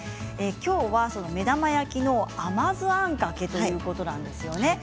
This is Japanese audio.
今日は目玉焼きの甘酢あんかけということなんですよね。